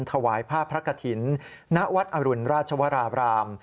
ถวายผ้าพระกฐินณวัดอรุณราชวราบราม